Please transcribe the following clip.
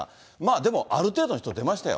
でも、ある程度の人は出ましたよ。